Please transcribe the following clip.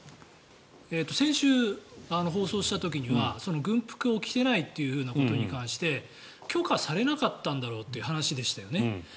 先週放送した時には軍服を着ていないことに関して許可されなかったんだろうという話でしたよね。